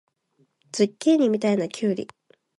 ズッキーニみたいなきゅうり